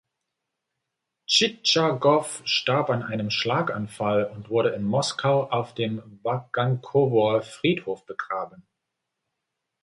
Tschitschagow starb an einem Schlaganfall und wurde in Moskau auf dem Wagankowoer Friedhof begraben.